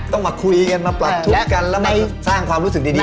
ต้องมาคุยกันมาปรับทุกข์กันแล้วมาสร้างความรู้สึกดี